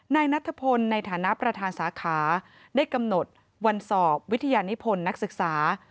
นายนัทพลในฐานะประธานสาขาได้กำหนดวันสอบวิทยานิพลนักศึกษา